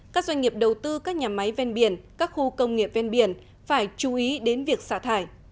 các doanh nghiệp đầu tư các nhà máy ven biển các khu công nghiệp ven biển phải chú ý đến việc xả thải